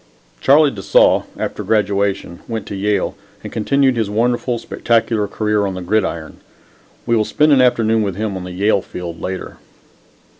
Charlie de Saulles, after graduation, went to Yale and continued his wonderful, spectacular career on the gridiron. We will spend an afternoon with him on the Yale field later.